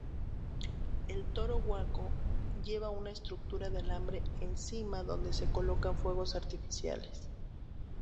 El Toro Guaco lleva una estructura de alambre encima donde se colocan fuegos artificiales.